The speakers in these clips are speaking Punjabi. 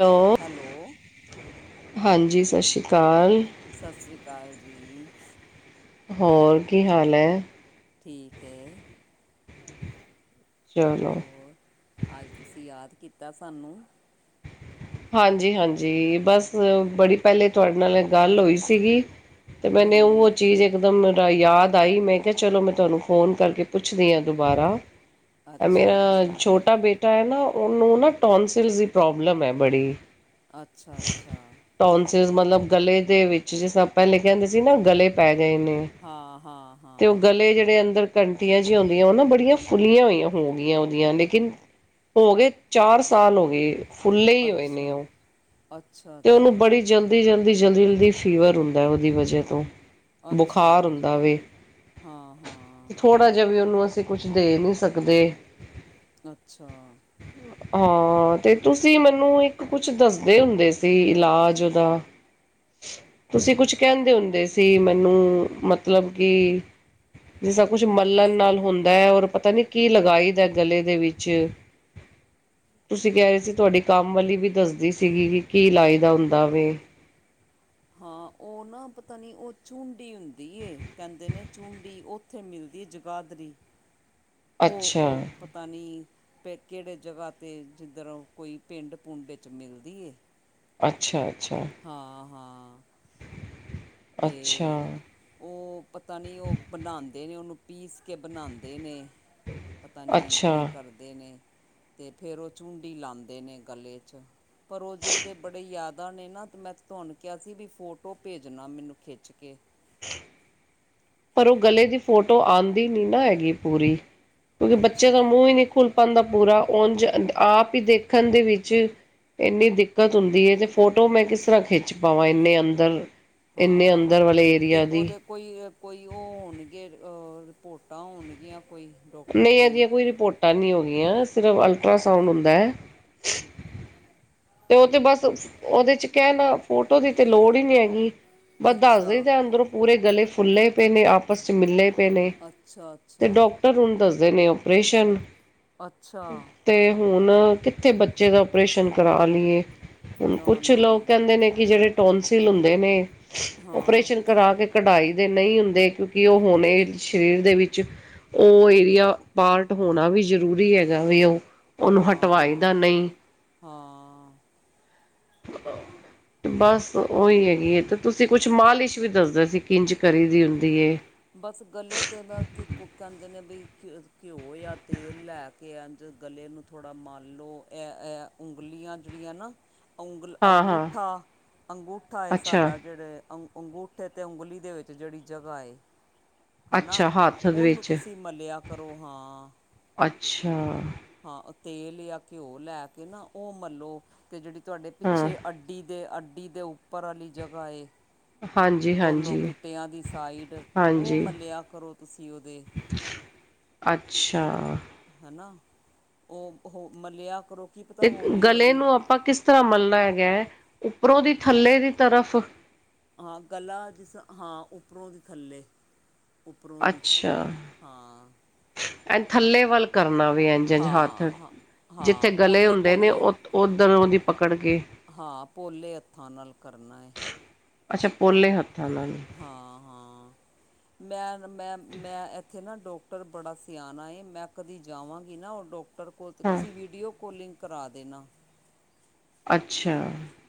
ਹੈਲੋ ਹਾਂਜੀ ਸਾਸਰੀਕਾਲ। ਸਾਸਰੀਕਾਲ ਜੀ। ਹੋਰ ਕੀ ਹਾਲ ਹੈ। ਠੀਕ ਹੈ। ਚੱਲੋ। ਹੋਰ ਅੱਜ ਤੁਸੀਂ ਯਾਦ ਕੀਤਾ ਸਾਨੂੰ ਹਾਂਜੀ- ਹਾਂਜੀ ਬਸ ਬੜੀ ਪਹਿਲੇ ਤੁਹਾਡੇ ਨਾਲ ਇਹ ਗੱਲ ਹੋਈ ਸੀਗੀ। ਤੇ ਮੈਨੇ ਉਹ ਹੂੰ ਚੀਜ਼ ਇਕ ਦਮ ਯਾਦ ਆਈ ਮੈਂ ਕਿਹਾ ਚਲੋ ਮੈਂ ਤੁਹਾਨੂੰ ਫੋਨ ਕਰਕੇ ਪੁੱਛਦੀ ਹਾਂ ਦੁਬਾਰਾ ਅੱਛਾ ਮੇਰਾ ਅੱਛਾ ਛੋਟਾ ਬੇਟ ਟਾ ਹੈਨਾ ਉਹਨੂੰ ਨਾ ਟੋਨਸਿਲ ਦੀ ਪ੍ਰੋਬਲਮ ਹੈ ਬੜੀ ਅੱਛਾ- ਅੱਛਾ ਟੋਨਸਿਲ ਮਤਲਬ ਗਲੇ ਦੇ ਵਿੱਚ ਜਿਸ ਪਹਿਲੇ ਕਹਿੰਦੇ ਸੀ ਨਾ ਗਲੇ ਪੈ ਗਏ ਨੇ। ਹਾਂ ਹਾਂ ਤੇ ਉਹ ਹਾਂ ਗਲੇ ਜਿਹੜੇ ਅੰਦਰ ਘੰਟੀਆਂ ਜਿਹੀ ਹੁੰਦੀਆਂ ਉਹ ਨਾ ਬੜੀਆਂ ਫੁੱਲੀਆਂ ਹੋਈਆਂ ਹੋ ਗਈਆਂ ਉਹਦੀਆਂ ਲੇਕਿਨ ਹੋ ਗਏ ਚਾਰ ਸਾਲ ਹੋ ਗਏ ਫੁੱਲੇ ਕੋਈ ਨੀ ਅੱਛਾ ਔਹ ਅੱਛਾ ਤੇ ਉਹਨੂੰ ਅੱਛਾ ਬੜੀ ਜਲਦੀ ਜਲਦੀ- ਜਲਦੀ- ਜਲਦੀ -ਜਲਦੀ ਫੀਵਰ ਹੁੰਦਾ ਉਹਦੀ ਵਜੇ ਤੋਂ ਅੱਛਾ ਬੁਖਾਰ ਹੁੰਦਾ ਵੇ ਹਾਂ ਹਾਂ ਤੇ ਥੋੜਾ ਜਿ ਜੇ ਵੀ ਉਹਨੂੰ ਅਸੀਂ ਕੁਛ ਦੇ ਨਹੀਂ ਸਕਦੇ। ਅੱਛਾ ਹਾਂ ਤੇ ਤੁਸੀਂ ਮੈਨੂੰ ਇੱਕ ਇੱਕ ਕੁਛ ਦੱਸਦੇ ਹੁੰਦੇ ਸੀ ਇਲਾਜ ਉਹਦਾ ਤੁਸੀਂ ਕੁਛ ਕਹਿੰਦੇ ਹੁੰਦੇ ਸੀ ਮੈਨੂੰ ਮਤਲਬ ਕਿ ਜਿਸ ਸਭ ਕੁਝ ਮਲਣ ਕਿਸ ਨਾਲ ਹੁੰਦ ਇਹ ਔਰ ਪਤਾ ਨੀ ਕੀ ਲਗਾਈ ਦਾ ਗਲੇ ਦੇ ਵਿੱਚ ਤੁਸੀਂ ਕਹਿ ਰਹੇ ਸੀ ਤੁਹਾਡੀ ਕੰਮ ਵਾਲੀ ਵੀ ਦੱਸਦੀ ਸੀਗੀ ਕਿ ਕੀ ਲਾਈਦਾ ਹੁੰਦਾ ਵੇ। ਹਾਂ ਉਹ ਨਾ ਪਤਾ ਨੀ ਉਹ ਚੂੰਡੀ ਹੁੰਦੀ ਏ ਕਹਿੰਦੇ ਨੇ ਚੂੰਡੀ ਉਹ ਉੱਥੇ ਮਿਲਦੀ ਜਗਾਧਰੀ [inaudible] ਉਹ ਉਹ ਪ ਪਤਾ ਨਹੀਂ ਪ ਕਿਹੜੇ ਜਗ੍ਹਾ 'ਤੇ ਜਿੱਧਰੋਂ ਕੋਈ ਪਿੰਡ ਪੁੰਡ 'ਚ ਮਿਲਦੀ ਏ। ਅੱਛਾ- ਅੱਛਾ। ਹਾਂ- ਹਾਂ। ਤੇ ਅੱਛਾ, ਉਹ ਪਤਾ ਨੀ ਉਹ ਬਣਾਦੇ ਨੇ ਉਹਨੂੰ ਪੀਸ ਕੇ ਬਣਾਂਦੇ ਨੇ। ਪਤਾ ਨਹੀਂ ਕੀ ਅੱਛਾ। ਕਰਦੇ ਨੇ ਤੇ ਫੇਰ ਉਹ ਚੁੰਡੀ ਲਾਂਦੇ ਨੇ ਗਲੇ 'ਚ ਪਰ ਉਹ ਜੇ ਉਹਦੇ ਬੜੇ ਯਾਦਾ ਨੇ ਨਾ ਮੈਂ ਤੁਹਾਨੂੰ ਕਿਹਾ ਸੀ ਵੀ ਫੋਟੋ ਭੇਜ ਨਾ ਮੈਨੂੰ ਖਿੱਚ ਕੇ [inaudible] ਪਰ ਉਹ ਗਲੇ ਦੀ ਫੋਟੋ ਆਂਦੀ ਨੀ ਨਾ ਹੈਗੀ ਪੂਰੀ ਕਿਉਂਕਿ ਬੱਚੇ ਦਾ ਅੱਛਾ ਮੂੰਹ ਹੀ ਨਹੀਂ ਖੁੱਲ ਆਪਾਂ ਦਾ ਪੂਰਾ ਉਝ ਆਪ ਹੀ ਦੇਖਣ ਦੇ ਵਿੱਚ ਇੰਨੀ ਦਿੱਕਤ ਹੁੰਦੀ ਏ ਤੇ ਫੋਟੋ ਮੈਂ ਕਿਸ ਤਰਾ ਖਿੱਚ ਪਾਵਾਂ ਇੰਨੇ ਅੰਦਰ ਨੂੰ। ਇੰਨੇ ਹਾਂ ਅੰਦਰ ਵਾਲੇ ਤੇ ਏਰੀਆ ਦੀ ਉਹਦੇ ਕੋਈ- ਕੋਈ ਉਹ ਹੋਣਗੇ ਰਿਪੋਰਟਾਂ ਹੋਣਗੀਆਂ ਕੋਈ ਡਾਕਟਰ ਨਹੀਂ ਦੀਆਂ ਇਹਦੀਆਂ ਕੋਈ ਰਿਪੋਰਟਾਂ ਨਹੀਂ ਹੋਇਆ ਸਿਰਫ ਅਲਟਰਾਸਾਊਂਡ ਹੁੰਦਾ। ਤੇ ਉਹ ਤੇ ਬਸ ਉਹਦੇ 'ਚ ਕਹਿਣਾ ਫੋਟੋ ਦੀ ਤੇ ਲੋੜ ਹੀ ਨਹੀਂ ਹੈਗੀ। ਬਸ ਅੱਛਾ ਦੱਸਦੀਦਾ ਅੰਦਰੋਂ ਪੂਰੇ ਗਲੇ ਫੁੱਲੇ ਪਏ ਨੇ ਆ ਆਪਸ 'ਚ ਮਿੱਲੇ ਪਏ ਨੇ ਅੱਛਾ ਤੇ ਅੱਛਾ ਡਾਕਟਰ ਹੁਣ ਦੱਸਦੇ ਨੇ ਓਪਰੇਸ਼ਨ ਅੱਛਾ। ਤੇ ਹੁਣ ਕਿੱਥੇ ਬੱਚੇ ਦਾ ਓਪਰੇਸ਼ਨ ਕਰਾ ਲਈਏ। [inaudible] ਨਾ ਨਾ ਹਾਂ ਕਰਾ ਕੇ ਕਢਾਈ ਦੇ ਨਹੀਂ ਹੁੰਦੇ। ਕਿਉਂਕਿ ਉਹ ਹਣੇ ਸਰੀਰ ਦੇ ਵਿੱਚ ਉਹ ਏਰੀਆ, ਪਾਰਟ ਹੋਣਾ ਵੀ ਜ਼ਰੂਰੀ ਹੈਗਾ ਵੈ ਉਹ। ਉਹਨੂੰ ਹਟਵਾਈ ਹਾਂ- ਦਾ ਨਹੀਂ ਹਾਂ। [inaudible] ਬਸ ਉਹੀ ਹੈਗੀ ਏ ਅਤੇ ਤੁਸੀ ਕੁਛ ਮਾਲਿਸ਼ ਵੀ ਦੱਸਦੇ ਸੀ ਕਿੰਝ ਕਰੀ ਦੀ ਹੁੰਦੀ ਏ। ਬਸ ਗੱਲ ਤੇ ਨਾ ਕਿ ਉਹ ਕਹਿੰਦੇ ਨੇ ਬਈ ਘਿਓ ਯਾਂ ਤੇਲ ਲੈ ਕਿ ਅੰਜ ਗਲੇ ਨੂੰ ਥੋੜ੍ਹਾ ਮਲ ਲਓ ਇਹ ਇਹ ਉਂਗਲੀਆਂ ਜਿੜੀਆਂ ਨਾ ਉਂਗਲ ਹਾਂ ਹਾਂ ਅੰਗੂਠਾ, ਅੰਗੂਠਾ ਹੈ ਅੱਛਾ ਸਾਡਾ ਜਿਹੜੇ ਅੰ ਅੰਗੂਠੇ ਤੇ ਉਂਗਲੀ ਦੇ ਵਿੱਚ ਜਿਹੜੀ ਜਗ੍ਹਾ ਏ ਹਨਾ ਅੱਛਾ ਹੱਥ ਦੇ ਉਹਨੂੰ ਵਿੱਚ ਤੁਸੀ ਮਲਿਆ ਕਰੋ ਹਾਂ। ਅੱਛਾ। ਹਾਂ ਤੇਲ ਯਾਂ ਘਿਓ ਲੈ ਕੇ ਨਾ ਉਹ ਮੰਲੋ। ਤੇ ਜਿਹੜੀ ਤੁਹਾਡੇ ਹਾਂ ਪਿੱਛੇ ਅੱਡੀ ਦੇ- ਅੱਡੀ ਦੇ ਉੱਪਰ ਵਾਲੀ ਜਗ੍ਹਾ ਏ ਹਾਂਜੀ ਦੋਨੋ ਹਾਂਜੀ ਗਿਟਆਂ ਦੀ ਸਾਈਡ ਉਹ ਹਾਂਜੀ ਮੱਲਿਆ ਕਰੋ ਤੁਸੀਂ ਉਹਦੇ। ਅੱਛਾ। ਹੈਨਾ, ਉਹ ਹੋ ਮਲਿਆ ਕਰੋ ਕੀ ਪਤਾ ਤੇ ਹੋਲੀ- ਗਲੇ ਹੋੌਲੀ ਨੂੰ ਆਪਾਂ ਕਿਸ ਤਰ੍ਹਾਂ ਮਲਣਾ ਹੈਗਾ ਉੱਪਰੋਂ ਦੀ ਥੱਲੇ ਦੀ ਤਰਫ? ਹਾਂ ਗਲਾ ਜਿਸ ਰਾ ਉੱਪਰੋਂ ਦੀ ਥੱਲੇ ਉੱਪਰੋਂ ਦੀ ਅੱਛਾ। ਹਾਂ ਐ ਥੱਲੇ ਵੱਲ ਕਰਨਾ ਵੀ ਇੰਝ- ਇੰਝ ਹੱਥ ਹਾਂ ਹਾਂ ਜਿੱਥੇ ਹਾਂ ਗਲੇ ਪੋਲੇ ਹੁੰਦੇ ਨੇ ਪੋਲੇ ਉਥ ਓਧਰੋਂ ਦੀ ਪਕੜ ਕੇ ਹਾਂ, ਪੋਲੇ ਹੱਥਾਂ ਨਾਲ ਕਰਨਾ ਏ। ਅੱਛਾ, ਪੋਲੇ ਹੱਥਾਂ ਨਾਲ। ਹਾਂ- ਹਾਂ, ਮੈਂ- ਮੈਂ- ਮੈਂ ਉੱਥੇ ਨਾ ਡਾਕਟਰ ਬੜਾ ਸਿਆਣਾ ਏ ਮੈਂ ਕਦੀ ਜਾਵਾਂਗੀ ਨਾ ਓਦੋਂ ਟਰ ਕੋਲ ਤਾਂ ਹਾਂ ਤੁਸੀਂ ਵੀਡੀਓ ਕੋਲਿੰਗ ਕਰਾ ਦੇਣਾ। ਅੱਛਾ।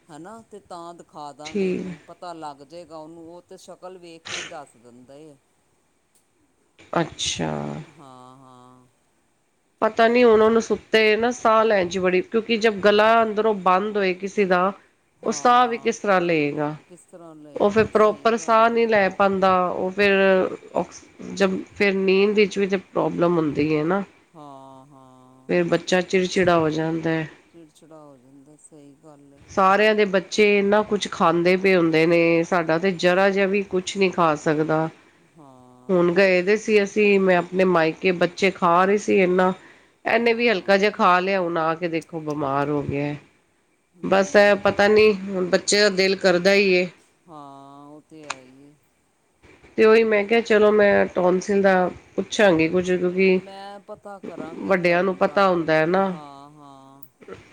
ਹੈਨਾ ਤੇ ਤਾਂ ਦਖਾ ਦਾਂਗੇ ਠੀਕ ਉਹਨੂੰ ਪਤਾ ਪਤਾ ਲੱਗ ਜੇਗਾ ਉਨੂੰ। ਉਹ ਤੇ ਸ਼ਕਲ ਵੇਖ ਕੇ ਹੀ ਦੱਸ ਦਿੰਦਾ ਏ। ਅੱਛਾ। ਹਾਂ ਹਾਂ ਪਤਾ ਨੀ ਉਹ ਉਹਨ ਨੂੰ ਸੁੱਤੇ ਨਾ ਸਾਹ ਲੈਣ ਜ ਬੜੀ ਕਿਉਂਕਿ ਜਦ ਗਲਾ ਅੰਦਰੋਂ ਬੰਦ ਹੋਏ ਕਿਸੇ ਦਾ ਤਾਂ ਬੋਲਣ ਚ ਦਿੱਕਤ ਹੁੰਦੀ ਆ। ਉਹ ਸਾਹ ਵੀ ਹਾਂ ਕਿਸ ਤਰ੍ਹਾਂ ਲਏਗਾ ਕਿਸ ਤਰ੍ਹਾਂ ਉਹ ਫਿਰ ਲਏਗਾ ਸਹੀ ਪ੍ਰੋਪਰ ਸਾਹ ਗੱਲ ਏ ਨਹੀਂ ਲੈ ਪੈਂਦਾ। ਪਾਉਂਦਾ ਉਹ ਫਿਰ ਔਕਸ ਜ ਫਿਰ ਨੀਂਦ ਵਿੱਚ ਵੀ ਤਾਂ ਪ੍ਰੋਬਲਮ ਹੁੰਦੀ ਹੈ ਨਾ ਹਾਂ ਹਾਂ ਆ। ਫਿਰ ਬੱਚਾ ਚਿੜਚਿੜਾ ਹੋ ਜਾਂਦਾ ਹੈ। ਹਾਂਜੀ। ਚਿੜਚਿੜਾ ਹੋ ਜਾਂਦਾ ਸਹੀ ਗੱਲ। ਹਾਂਜੀ। ਸਾਰਿਆਂ ਦੇ ਬੱਚੇ ਚੇ ਇਨਾਂ ਕੁਛ ਖਾਂਦੇ ਪੇ ਹੁੰਦੇ ਨੇ ਸਾਡਾ ਤੇ ਜਰਾ ਜਿਹਾ ਵੀ ਕੁਛ ਨੀ ਖਾ ਸਕਦਾ। ਹਾਂਜੀ। ਹਾਂ। ਹੁਣ ਗਏ ਦੇ ਸੀ ਅਸੀਂ, ਮੈਂ ਆਪਣੇ ਮਾਇਕੇ ਬੱਚੇ ਖਾ ਰਹੀ ਸੀ ਇਹਨਾਂ ਇਹਨੇ ਵੀ ਹਲਕਾ ਹਾਂ ਜਿਹਾ ਖਾ ਲਿਆ। ਹੁਣ ਆ ਕੇ ਦੇਖੋ ਬਿਮਾਰ ਹੋ ਗਿਆ ਏ। ਬਸ ਏ ਹੂੰ ਪਤਾ ਨੀ ਹੁਣ ਬੱਚੇ ਦਾ ਦਿਲ ਕਰਦਾ ਇ ਏ ਹਾਂ, ਉਹ ਤੇ ਹੈ ਈ ਏ। ਤੇ ਉਹੀ ਮੈਂ ਕਿਹਾ ਚਲੋ ਮੈਂ ਟੌਨਸਿਲ ਦਾ ਪੁੱਛਾਂਗੇ ਕੁੱਝ ਕਿਉਂਕਿ ਮੈਂ ਪਤਾ ਕਰਾਂਗੀ ਵੱਡਿਆਂ ਨੂੰ ਤੁਹਾਨੂੰ ਪਤਾ ਡਾਕਟਰ ਹੁੰਦਾ ਹੈ ਕੋਲੋਂ ਨਾ ਹਾਂ ਹਾਂ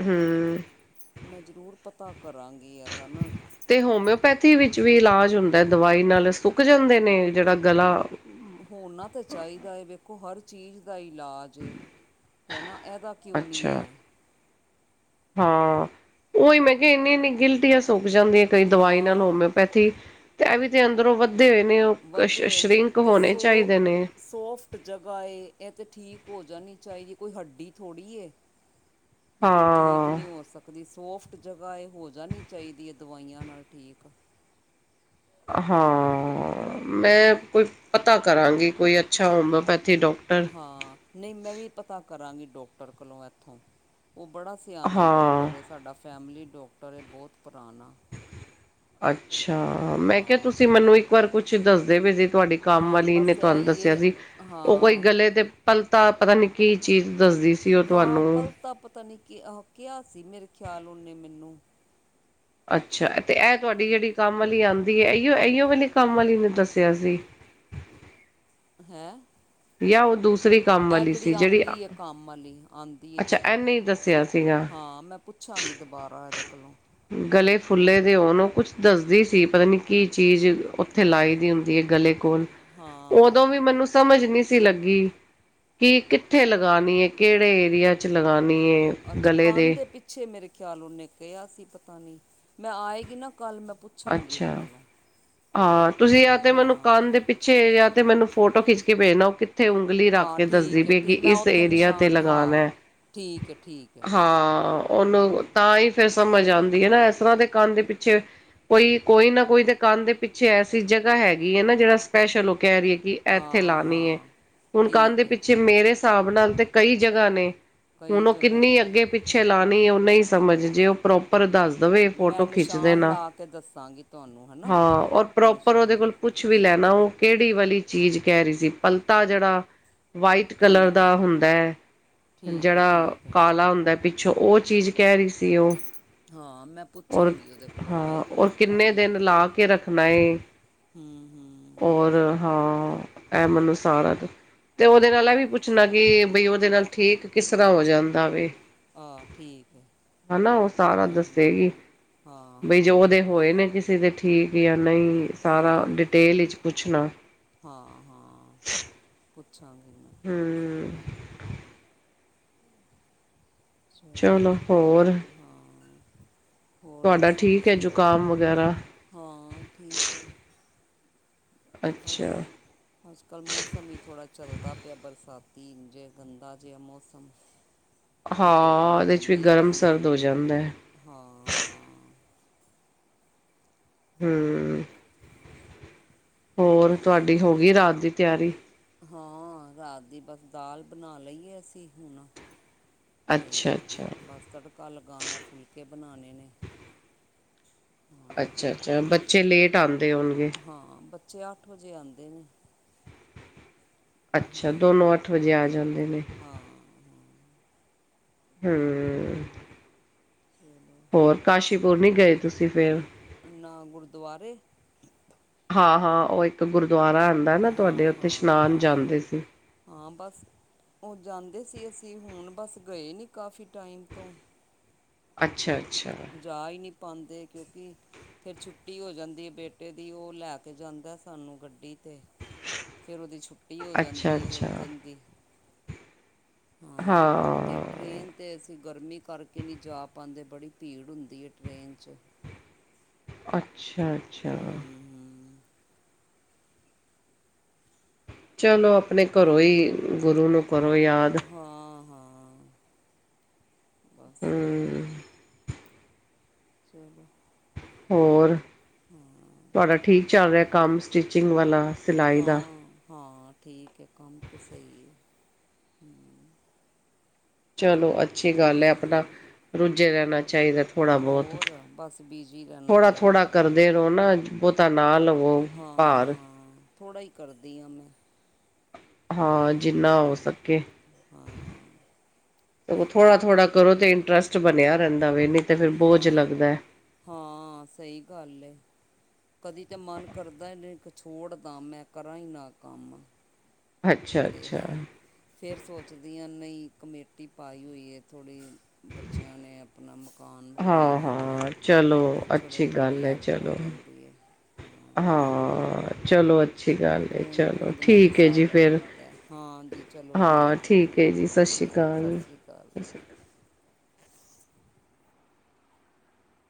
ਹਮ ਮੈਂ ਜ਼ਰੂਰ ਪਤਾ ਕਰਾਂਗੀ ਇਹਦਾ ਨਾ ਤੇ ਹੋਮਿਓਪੈਥੀ ਵਿੱਚ ਵੀ ਇਲਾਜ ਹੁੰਦਾ ਦਵਾਈ ਨਾਲ ਸੁੱਕ ਜਾਂਦੇ ਨੇ ਜਿਹੜਾ ਗਲਾ ਹੋਣਾ ਤੇ ਚਾਹੀਦਾ ਐ, ਵੇਖੋ ਹਰ ਚੀਜ਼ ਦਾ ਇਲਾਜ ਜੀ, ਹੈ ਨਾ ਇਹਦਾ ਕਿਉਂ ਨਹੀ ਅੱਛਾ ਐ। ਹਾਂ, ਉਹੀ ਮੈਂ ਕਿਹਾ ਇੰਨੀ -ਇੰਨੀ ਗਿਲਟੀਆ ਸੁੱਕ ਜਾਂਦੀਆਂ। ਕਈ ਦਵਾਈ ਨਾਲ ਹਾਂ ਹੋਮਿਓਪੈਥੀ, ਤੇ ਇਹ ਵੀ ਤੇ ਅੰਦਰੋਂ ਬ ਦੇ ਹੋਏ ਨੇ ਉਹ ਵਧੇ ਹੋਏ ਨੇ ਸ਼੍ਰਿੰਕ ਤੇ ਹੋਣੇ ਸੋ ਚਾਹੀਦੇ ਨੇ। ਸੋਫਟ ਜਗ੍ਹਾ ਏ ਇਹ ਤਾਂ ਠੀਕ ਹੋ ਜਾਣੀ ਚਾਹੀਦੀ, ਕੋਈ ਹੱਡੀ ਥੋੜ੍ਹੀ ਏ। ਵੀ ਜਿਹੜੀ ਠੀਕ ਹਾਂ ਨਹੀਂ ਹੋ ਸਕ ਉਹਦੀ ਸੋਫਟ ਜਗ੍ਹਾ ਏ, ਇਹ ਹੋ ਜਾਣੀ ਚਾਹੀਦੀ ਏ ਦਵਾਈਆਂ ਨਾਲ ਠੀਕ। ਹਾਂ ਮੈਂ ਕੋਈ ਪਤਾ ਕਰਾਂਗੀ, ਕੋਈ ਅੱਛਾ ਹੋਮਿਓਪੈਥੀ ਡਾਕਟਰ। ਹਾਂ ਨਹੀਂ ਮੈਂ ਵੀ ਪਤਾ ਕਰਾਂਗੀ ਡੋਕਟਰ ਕੋਲੋਂ ਇੱਥੋਂ, ਉਹ ਬੜਾ ਸਿਆਣਾ ਹਾਂ ਡੋਕਟਰ ਏ, ਸਾਡਾ ਫੈਮਿਲੀ ਡੋਕਟਰ ਏ, ਬਹੁਤ ਪੁਰਾਣਾ। ਅੱਛਾ, ਮੈਂ ਕਿਹਾ ਹਾਂ ਤੁਸੀਂ ਮੈਨੂੰ ਇੱਕ ਵਾਰ ਕੁਛ ਦੱਸਦੇ ਵੀ ਜੇ ਤੁਹਾਡੀ ਕੰਮ ਹਾਂ ਵਾਲੀ ਨੇ ਬਸ ਇਹ ਤੁਹਾਨੂੰ ਹੀ ਦੱਸਿਆ ਹੈ ਸੀ, ਉਹ ਕੋਈ ਹਾਂ ਗਲੇ ਤੇ ਪਲ ਤਾਂ ਪਤਾ ਨੀ ਕੀ ਚੀਜ਼ ਦੱਸਦੀ ਸੀ। ਉਹ ਹਾਂ ਤੁਹਾਨੂੰ ਪਲ ਤਾਂ ਪਤਾ ਨਹੀਂ ਕਿਹਾ ਸੀ, ਮੇਰੇ ਖਿਆਲ ਉਹਨੇ ਮੈਨੂੰ ਅੱਛਾ ਤੇ ਇਹ ਤੁਹਾਡੀ ਜਿਹੜੀ ਕੰਮ ਵਾਲੀ ਆਂਦੀ ਐ, ਇਹੀਓ- ਇਹੀਓ ਵਾਲੀ ਕੰਮ ਵਾਲੀ ਨੇ ਦੱਸਿਆ ਸੀ। ਹੈਂ। ਜਾਂ ਉਹ ਦੂਸਰੀ ਕੰਮ ਇਹ ਵਾਲੀ ਜਿਹੜੀ ਸੀ ਆਂਦੀ ਐ, ਕੰਮ ਵਾਲੀ ਆਂਦੀ ਐ, ਅੱਛਾ ਜਿਹੜੀ ਇਹਨੇ ਹੀ ਦੱਸਿਆ ਸੀਗਾ ਹਾਂ ਮੈਂ ਪੁੱਛਾਂਗੀ ਦੁਬਾਰਾ ਇਹਦੇ ਕੋਲੋਂ। ਗਲੇ ਫੁੱਲੇ ਦੇ ਉਹਨੂੰ ਉਹ ਕੁਛ ਦੱਸਦੀ ਸੀ, ਪਤਾ ਨੀ ਕੀ ਚੀਜ਼ ਉੱਥੇ ਲਾਈ ਦੀ ਹੁੰਦੀ ਏ। ਗਲੇ ਕੋਲ, ਹਾਂ ਉਦੋਂ ਵੀ ਮੈਨੂੰ ਸਮਝ ਨੀ ਸੀ ਲੱਗੀ। ਕਿ ਕਿੱਥੇ ਲਗਾਨੀ ਏ, ਕਿਹੜੇ ਏਰੀਏ ਚ ਲਗਾਨੀ ਏ। ਅੱਛਾ ਕੰਨ ਦੇ ਪਿੱ ਪਿੱਛੇ ਮੇਰੇ ਖਿਆਲ ਉਹਨੇ ਕਿਹਾ ਸੀ ਪਤਾ ਨਹੀਂ, ਮੈਂ ਆਏਗੀ ਨਾ ਕੱਲ੍ਹ ਮੈਂ ਪੁੱਛਾਂਗੀ ਉਹਦੇ ਅੱਛਾ ਕੋਲੋਂ ਹਾਂ ਤੁਸੀਂ ਜਾਂ ਤੇ ਮੈਨੂੰ ਹਾਂ ਕੰਨ ਦੇ ਪਿੱਛੇ ਜਾਂ ਤੇ ਮੈਨੂੰ ਫੋਟੋ ਖਿੱਚ ਕੇ ਭੇਜਣਾ, ਉਹ ਉੱਥੇ ਉਂਗਲੀ ਰੱਖ ਹਾਂ ਕੇ ਦੱਸਦੀ ਠੀਕ ਹੈ ਪਈ, ਠੀਕ ਕਿ ਮੈਂ ਇਸ ਉੱਥੇ ਏਰੀਆ ਤੇ ਨਿਸ਼ਾਨ ਲਗਾਨਾ। ਹਾਂ ਠੀਕ ਹੈ ਠੀਕ ਹੈ ਹਾਂ, ਉਹਨੂੰ ਤਾਂ ਹੀ ਫੇਰ ਸਮਝ ਆਂਦੀ ਏ ਨਾ, ਇਸ ਤਰ੍ਹਾਂ ਤੇ ਕੰਨ ਦੇ ਪਿੱਛੇ ਕੋਈ ਕੋਈ ਨਾ ਕੋਈ ਤੇ ਕੰਨ ਦੇ ਪਿੱਛੇ ਐਸੀ ਜਗ੍ਹਾ ਹੈਗੀ ਹੈ ਨਾ, ਜਿਹੜਾ ਸਪੈਸ਼ਲ ਉਹ ਕਹਿ ਰਹੀ ਏ ਕਿ ਇੱਥੇ ਹਾਂ ਲਾਣੀ ਏ, ਹਾਂ ਹੁਣ ਕੰਨ ਦੇ ਠੀਕ ਹੈ ਪਿੱਛੇ ਮੇਰੇ ਸਾਬ ਨਾਲ ਤੇ ਕਈ ਜਗ੍ਹਾ ਨੇ, ਕਈ ਹੁਣ ਉਹ ਜਗ੍ਹਾ ਕਿੰਨੀ ਨੇ ਅੱਗੇ ਪਿੱ ਪਿੱਛੇ ਲਾਣੀ ਉਹ ਨਹੀਂ ਸਮਝ, ਜੇ ਉਹ ਪ੍ਰੋਪਰ ਦੱਸ ਦਵੇ ਮੈਂ ਫੋਟੋ ਖਿੱਚ ਨਿਸ਼ਾਨ ਦੇਣਾ। ਲਾ ਕੇ ਦੱਸਾਂਗੀ। ਤੁਹਾਨੂੰ ਹੈ ਨਾ ਹਾਂ, ਔਰ ਪ੍ਰੋਪਰ ਉਹਦੇ ਨਿਸ਼ਾਨ ਕੋਲ ਪੁੱਛ ਵੀ ਲੈਣਾ ਉਹ ਕਿਹੜੀ ਵਾਲੀ ਚੀਜ਼ ਕਹਿ ਰਹੀ ਸੀ, ਪਲਤਾ ਜਿਹੜਾ ਵਾਈਟ ਕਲਰ ਠੀਕ ਦਾ ਹੈ ਹੁੰਦਾ, ਠੀਕ ਹੈ ਜਿਹੜਾ ਠੀਕ ਹੈ ਕਾਲਾ ਹੁੰਦਾ ਵਿ ਅੱਛਾ, ਉਹ ਚੀਜ਼ ਕਹਿ ਰਹੀ ਸੀ ਉਹ। ਹਾਂ, ਮੈਂ ਔਰ ਪੁੱਛਾਂਗੀ ਉਹਦੇ ਕੋਲੋਂ ਹਾਂ ਆਏਗੀ ਔਰ ਨਾ। ਕਿੰਨੇ ਕੰਮ ਦਿਨ ਵਾਲੇ ਲਾ ਕੇ ਰੱਖਣਾ ਏ, ਹੂੰ ਉਹ। ਹੂੰ ਔਰ ਹਾਂ, ਐ ਮਤਲਬ ਸਾਰਾ ਤੇ ਉਹਦੇ ਨਾਲ ਇਹ ਹਾਂ ਵੀ ਪੁੱਛਣਾ, ਕਿ ਬਈ ਉਹਦੇ ਨਾਲ ਠੀਕ ਕਿਸ ਤਰ੍ਹਾਂ ਹੋ ਜਾਂਦਾ ਵੇ। ਆ ਠੀਕ ਹੈ ਹਨਾ ਉਹ ਸਾਰਾ ਹੂੰ ਦੱਸੇਗੀ, ਹਾਂ ਬਈ ਜੋ ਹਾਂ ਉਹਦੇ ਹੋਏ ਨੇ ਕਿਸੇ ਦੇ ਠੀਕ ਜਾਂ ਨਹੀਂ, ਸਾਰਾ ਆ ਡਿਟੇਲ ਵਿੱਚ ਪੁੱਛਣਾ। ਹਾਂ -ਹਾਂ, ਪੁੱਛਾਂਗੀ ਮੈਂ। ਹੂੰ ਚਲੋ, ਹਾਂ ਹੋਰ ਤੁਹਾਡਾ ਦੱਸੋ ਠੀਕ ਏ ਤੁਸੀਂ ਜ਼ੁਕਾਮ ਵਗੈਰਾ ਹਾਂ। ਠੀਕ ਹੈ। ਬਸ। ਅੱਛਾ ਅੱਜ ਕੱਲ੍ਹ ਮੌਸਮ ਹੀ ਥੋੜ੍ਹਾ ਚੱਲਦਾ ਪਿਆ ਬਰਸਾਤੀ ਇੰਜੇ ਗੰਦਾ ਜਿਹਾ ਮੌਸਮ। ਕਦੀ ਧੁੱਪ ਹਾਂ। ਹੋ ਉਹਦੇ ਚ ਵੀ ਜਾਂਦੀ ਹੈ ਗਰਮ ਕਦੀ -ਸਰਦ ਹੋ ਜਾਂਦਾ ਹੈ। ਹਾਂ- ਹਾਂ। ਹਮ। ਹੋਰ ਤੇ ਤੁਹਾਡੀ ਹੋ ਗਈ ਰਾਤ ਦੀ ਤਿਆਰੀ? ਹਾਂ। ਰਾਤ ਦੀ ਬਸ ਦਾਲ ਬਣਾ ਲਈਏ ਅਸੀਂ ਹੁਣ। ਤੇ ਅੱਛਾ ਅੱਛਾ ਬਸ ਤੜਕਾ ਲਗਾਣਾ, ਫੁਲਕੇ ਬਣਾਣੇ ਨੇ। ਹਾਂ ਅੱਛਾ- ਅੱਛਾ ਬੱਚੇ ਲੇਟ ਆਉਂਦੇ ਹੋਣਗੇ। ਹਾਂ। ਬੱਚੇ ਅੱਠ ਵਜੇ ਆਂਦੇ ਨੇ। ਅੱਛਾ ਦੋਨੋ ਅੱਠ ਵਜੇ ਆ ਜਾਂਦੇ ਨੇ। ਹਾਂ- ਹਾਂ। ਹਮ। ਚਲੋ ਹੋਰ ਕਾਸ਼ੀਪੁਰ ਨੀ ਗਏ ਤੁਸੀਂ ਫੇਰ? ਨਾ ਗੁਰਦੁਆਰੇ ਹਾਂ -ਹਾਂ ਉਹ ਇੱਕ ਗੁਰਦੁਆਰਾ ਆਂਉਦਾ ਨਾ ਤੁਹਾਡੇ ਹਾਂ ਉੱਤੇ ਹਾਂ ਇਸ਼ਨਾਨ ਹਾਂ ਜਾਂਦੇ ਸੀ। ਹਾਂ। ਬਸ ਉਹ ਜਾਂਦੇ ਸੀ ਅਸੀਂ ਹੁਣ ਬਸ ਗਏ ਨਹੀਂ ਕਾਫ਼ੀ ਟਾਈਮ ਤੋਂ ਅੱਛਾ -ਅੱਛਾ। ਜਾ ਈ ਨਹੀਂ ਪਾਂਦੇ ਕਿਉਂਕਿ ਫਿਰ ਛੁੱਟੀ ਹੋ ਜਾਂਦੀ ਏ ਬੇਟੇ ਦੀ ਉਹ ਲੈ ਕੇ ਜਾਂਦਾ ਸਾਨੂੰ ਗੱਡੀ ਤੇ। ਫੇਰ ਉਹਦੀ ਛੁੱਟੀ ਹੋ ਅੱਛਾ ਜਾਂਦੀ ਏ ਅੱਛਾ ਉਸ ਦਿਨ ਦੀ। ਹਾਂ। ਤੇ ਟਰੇੇਨ ਤੇ ਅਸੀਂ ਗਰਮੀ ਕਰਕੇ ਨਹੀਂ ਜਾ ਪਾਨਦੇ ਬੜੀ ਭੀੜ ਹੁੰਦੀ ਏ ਟਰੇਨ 'ਚ। ਅੱਛਾ। ਅੱਛਾ ਹਮਮ ਚਲੋ ਆਪਣੇ ਘਰੋਂ ਈ। ਗੁਰੂ ਨੂੰ ਕਰੋ ਯਾਰ ਹਾਂ- ਹਾਂ। ਬਸ ਚਲੋ, ਹੋਰ ਹਾਂ। ਤੁਹਾਡਾ ਠੀਕ ਚੱਲ ਰਿਹਾ ਕੰਮ ਸਟਿਚਿੰਗ ਵਾਲਾ। ਸਿਲਾਈ ਦਾ ਹਾਂ -ਹਾਂ ਠੀਕ ਹੈ ਕੰਮ ਤਾਂ ਸਹੀ ਹੈ ਹ। ਚਲੋ, ਅੱਛੀ ਗੱਲ ਹੈ। ਆਪਣਾ ਹਾਂ ਰੁੱਝੇ ਰਹਿਣਾ ਚਾਹੀਦਾ ਥੋੜ੍ਹਾ- ਬਹੁਤ ਹੋ, ਬਸ ਬਿਜੀ ਰਹਿਣਾ। ਥੋੜਾ- ਥੋੜਾ ਚਾਹੀਦਾ ਹੈ ਕਰਦੇ ਰੋ ਨਾ ਬਹੁਤਾ ਨਾਲ ਲਵੋ ਹਾਂ ਭਾਰ। ਹਾਂ ਥੋੜ੍ਹਾ ਹੀ ਕਰਦੀ ਹਾਂ। ਮੈ ਹਾਂ। ਜਿੰਨਾ ਹੋ ਸਕੇ। ਹਾਂ ਥੋੜਾ -ਥੋੜ੍ਹਾ ਕਰੋ ਤਾਂ ਚ ਇੰਟਰਸਟ ਬਣਿਆ ਰਹਿੰਦਾ ਵੇ ਨਹੀਂ ਤਾਂ ਫਿਰ ਬੋਝ ਹਾਂ ਲੱਗਦਾ। ਹਾਂ, ਸਹੀ ਗੱਲ ਹੇ। ਕਦੀ ਤੇ ਮਨ ਕਰਦਾ ਏ ਛੋੜਦਾ, ਮੈਂ ਕਰਾਂ ਈ ਨਾ ਕੰਮ। ਅੱਛਾ ਤੇ, ਅੱਛਾ ਫੇਰ ਸੋਚਦੀ ਆ ਨਈ ਕਮੇਟੀ ਪਾਈ ਹੋਈ ਏ ਥੋੜ੍ਹੀ ਬੱਚਿਆਂ ਨੇ ਆਪਣਾ ਮਕਾਨ ਮਕੂਨ ਹਾਂ ਲੈਣਾ ਏ ਹਾਂ ਚਲੋ ਤੇ ਚਲੋ ਅੱਛੀ ਥੋੜ੍ਹੀ ਗੱਲ ਹੈ ਹੈਲਪ ਹੋ ਚਲੋ ਜਣ ਦੇ [unintelligible] ਹਾਂ, ਚਲੋ, ਅੱਛੀ ਤੇ ਗੱਲ ਏ, ਬੂੰਦ ਚਲੋ, ਬੂੰਦ ਨਾਲ ਹੀ ਠੀਕ ਏ ਜੀ। ਸਾਗਰ ਫਿਰ ਭਰਦਾ ਹੈ। ਹਾਂ ਜੀ ਚਲੋ ਹਾਂ। ਹੈ ਠੀਕ ਏ ਜੀ, ਸਤਿ ਸ਼੍ਰੀ ਠੀਕ ਅਕਾਲ। ਸਤਿ ਸ਼੍ਰੀ ਅਕਾਲ